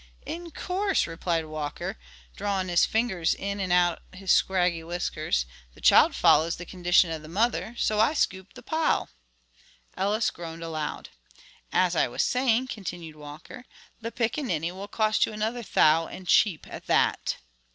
"In course," replied Walker, drawing his finger in and out his scraggy whiskers, "the child follows the condition of the mother, so I scoop the pile." Ellis groaned aloud. "As I was sayin'," continued Walker, "the pickaninny will cost you another thou, and cheap at that."